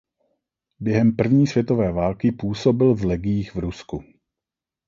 Během první světové války působil v legiích v Rusku.